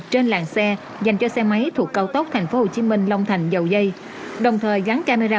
trên làng xe dành cho xe máy thuộc cao tốc tp hcm long thành dầu dây đồng thời gắn camera